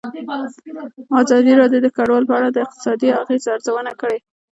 ازادي راډیو د کډوال په اړه د اقتصادي اغېزو ارزونه کړې.